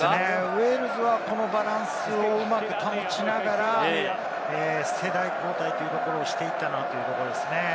ウェールズはこのバランスをうまく保ちながら世代交代というところをしていったなというところですね。